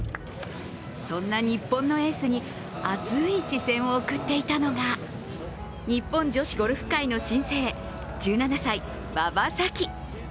そんな日本のエースに熱い視線を送っていたのが日本女子ゴルフ界の新星、１７歳・馬場咲希。